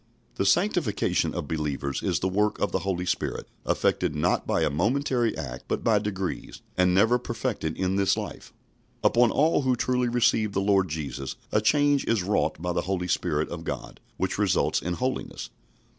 " The sanctification of believers is the work of the Holy Spirit, effected not by a momentary act but by degrees, and never perfected in this life. Upon all who truly receive the Lord Jesus a change is wrought by the Holy Spirit of God, which results in holiness.